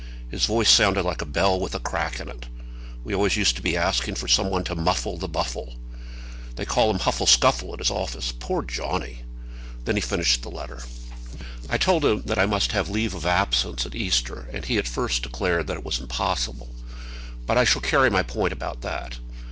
His voice sounded like a bell with a crack in it. We always used to be asking for some one to muffle the Buffle. They call him Huffle Scuffle at his office. Poor Johnny!" Then he finished the letter: I told him that I must have leave of absence at Easter, and he at first declared that it was impossible. But I shall carry my point about that.